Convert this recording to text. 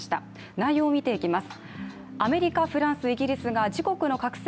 内容を見ていきます。